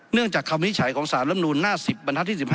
เนื่องจากคำนิจฉัยของสารรับนูลหน้า๑๐บรรทัดที่๑๕